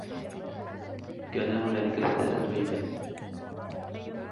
كان هنالك ثلاثة رجال.